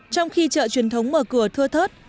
trong khi chợ truyền thống mở cửa thưa thớt